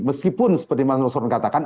meskipun seperti mas nusron katakan